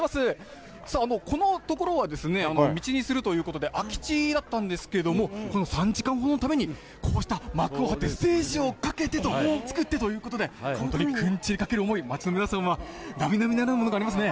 さあ、この所はですね、道にするということで、空き地だったんですけれども、この３時間ほどのために、こうした幕を張ってステージをかけて、つくってということで、本当にくんちにかける思い、町の皆さんはなみなみならぬものがありますね。